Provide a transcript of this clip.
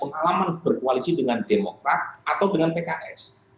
pengalaman berkoalisi dengan demokrat atau dengan pks